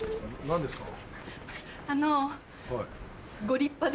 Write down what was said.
何ですか？